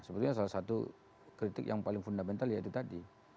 sebetulnya salah satu kritik yang paling fundamental ya itu tadi